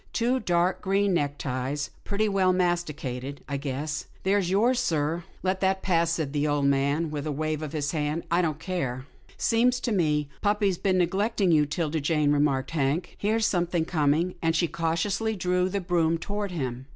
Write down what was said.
" Two dark green neckties, pretty well masticated. I guess they're yours, sir." " Let that pass," said the old man with a wave of his hand. " I don't care." " Seems to me puppy's been neglecting you, 'Tilda Jane," remarked Hank. " Here's something com ing," and he cautiously drew the broom toward him.